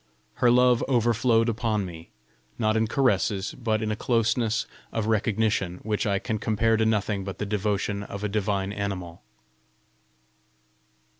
Her love overflowed upon me not in caresses, but in a closeness of recognition which I can compare to nothing but the devotion of a divine animal.